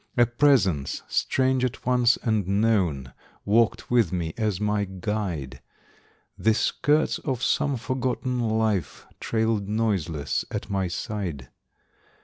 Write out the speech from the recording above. A presence, strange at once and known, Walked with me as my guide; The skirts of some forgotten life Trailed noiseless at my side.